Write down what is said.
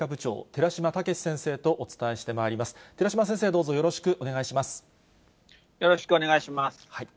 寺嶋先生、どうぞよろしくお願いします。